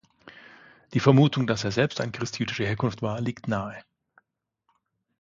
Die Vermutung, dass er selbst ein Christ jüdischer Herkunft war, liegt nahe.